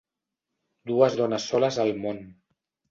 Dues dones soles al món.